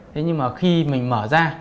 thế nhưng mà khi mình mở ra